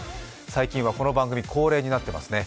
最近はこの番組、恒例になっていますね。